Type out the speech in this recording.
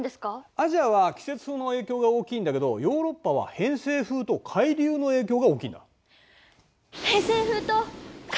アジアは季節風の影響が大きいんだけどヨーロッパは偏西風と海流の影響が大きいんだ。